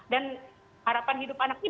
dan harapan hidup anaknya